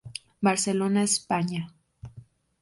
Barcelona, España.